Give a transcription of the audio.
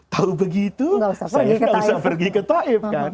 tahu begitu saya gak usah pergi ke taif